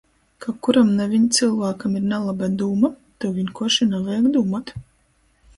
Ka kuram naviņ cylvākam ir naloba dūma, tū vīnkuorši navajag dūmuot...